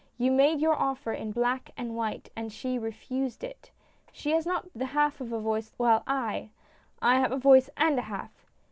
You made your offer in black and white, and she refused it. She has not the half of a voice, while I — I have a voice and a half!